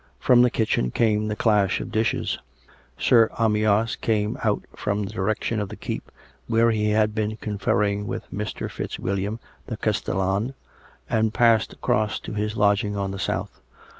From the kitchen came the clash of dishes. Sir Amyas came out from the direc tion of the keep, where he had been conferring with Mr. FitzWilliam, the castellan, and passed across to his lodging on the south.